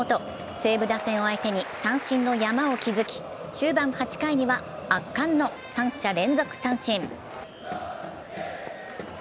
西武打線を相手に三振の山を築き終盤８回には圧巻の三者連続三振。